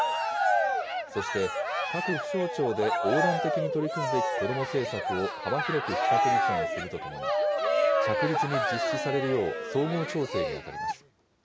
そして、各府省庁で横断的に取り組むべき子ども政策を幅広く企画立案するとともに、着実に実施されるよう総合調整に当たります。